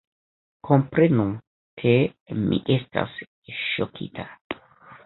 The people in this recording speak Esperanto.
Komprenu, ke mi estas ŝokita!